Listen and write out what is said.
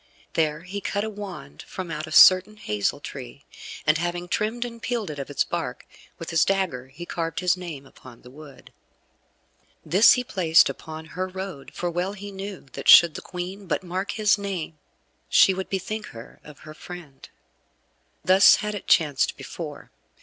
There he cut a wand from out a certain hazel tree, and having trimmed and peeled it of its bark, with his dagger he carved his name upon the wood. This he placed upon her road, for well he knew that should the Queen but mark his name she would bethink her of her friend. Thus had it chanced before.